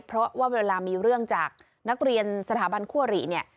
เพราะว่าเวลามีเรื่องจากนักเรียนสถาบันคั่วหรี่เนี่ย